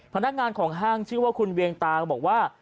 พนักงานของห้างชื่อว่าคุณเวียงตาก็บอกว่า